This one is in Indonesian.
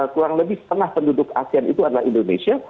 kurang lebih setengah penduduk asean itu adalah indonesia